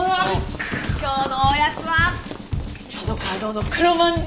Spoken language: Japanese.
今日のおやつは園川堂の黒まんじゅう。